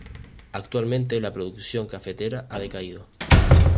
Actualmente la producción cafetera ha decaído.